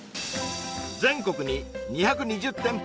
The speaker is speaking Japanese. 全国に２２０店舗